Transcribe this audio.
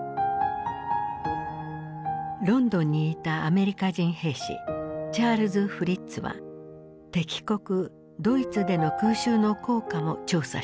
ロンドンにいたアメリカ人兵士チャールズ・フリッツは敵国ドイツでの空襲の効果も調査していた。